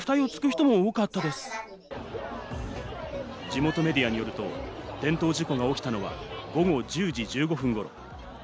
地元メディアによると、転倒事故が起きたのは午後１０時１５分頃。